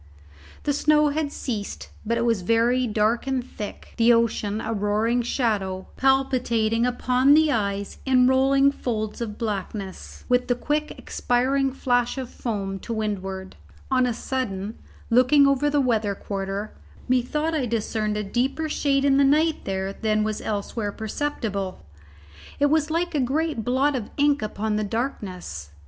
The snow had ceased; but it was very dark and thick, the ocean a roaring shadow, palpitating upon the eyes in rolling folds of blackness, with the quick expiring flash of foam to windward. On a sudden, looking over the weather quarter, methought I discerned a deeper shade in the night there than was elsewhere perceptible. It was like a great blot of ink upon the darkness.